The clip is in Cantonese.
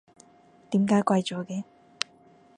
點解貴咗嘅？